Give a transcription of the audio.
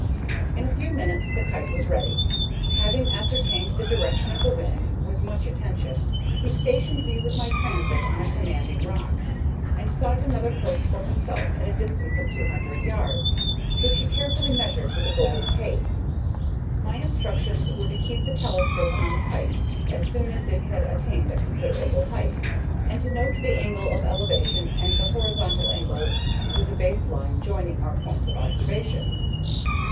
In a few minutes the kite was ready. Having ascertained the direction of the wind with much attention, he stationed me with my transit on a commanding rock, and sought another post for himself at a distance of two hundred yards, which he carefully measured with a gold tape. My instructions were to keep the telescope on the kite as soon as it had attained a considerable height, and to note the angle of elevation and the horizontal angle with the base line joining our points of observation.